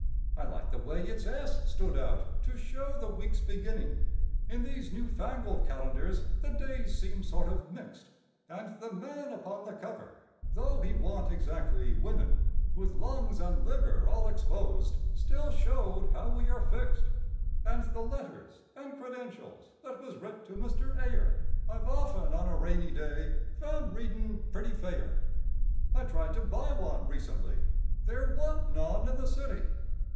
I like the way its "S" stood out to show the week's beginning, (In these new fangled calendars the days seem sort of mixed), And the man upon the cover, though he wa'n't exactly winnin', With lungs and liver all exposed, still showed how we are fixed; And the letters and credentials that was writ to Mr. Ayer I've often on a rainy day found readin' pretty fair. I tried to buy one recently; there wa'n't none in the city!